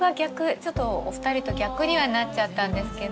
ちょっとお二人と逆にはなっちゃったんですけど。